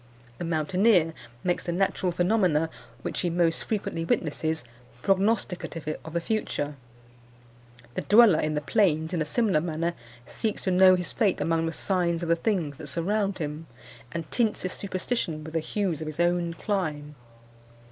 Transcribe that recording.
The mountaineer makes the natural phenomena which he most frequently witnesses prognosticative of the future. The dweller in the plains, in a similar manner, seeks to know his fate among the signs of the things that surround him, and tints his superstition with the hues of his own clime.